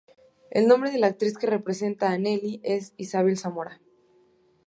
El nombre de la actriz que representa a Nelly es Ysabel Zamora.